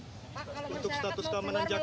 pak kalau masyarakat mau keluar ini aman gak pak